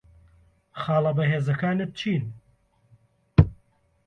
خاڵە بەهێزەکانت چین؟